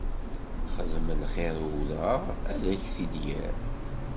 Xdem lxiṛ i udɣaɣ, ad ak-t-id yerr!